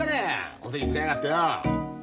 お世辞使いやがってよ。